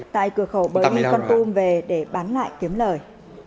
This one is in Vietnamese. tại cửa khẩu bởi con tum về để bán lại kiếm lời